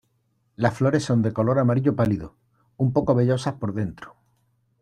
Las flores son de color amarillo pálido, un poco vellosas por dentro.